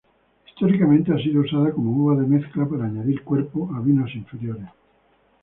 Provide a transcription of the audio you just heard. Históricamente ha sido usada como uva de mezcla para añadir cuerpo a vinos inferiores.